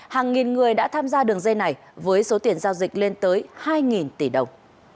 hàng nghìn người đã tham gia đường dây này với số tiền giao dịch lên tới hai tỷ đồng